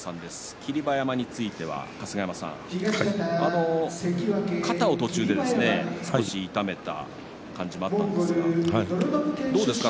霧馬山については、肩を途中で少し痛めた感じもあったんですが、どうですか？